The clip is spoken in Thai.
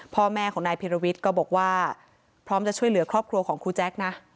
พ่อแม่ของนายพิรวิทย์ก็บอกว่าพร้อมจะช่วยเหลือครอบครัวของครูแจ๊คนะ